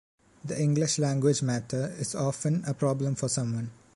The English language matter is often a problem for someone